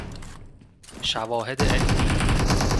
شواهد عینی